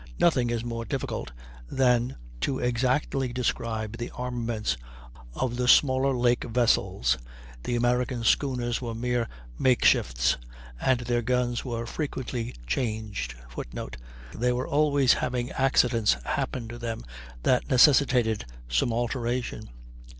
Nothing is more difficult than to exactly describe the armaments of the smaller lake vessels. The American schooners were mere makeshifts, and their guns were frequently changed, [Footnote: They were always having accidents happen to them that necessitated some alteration.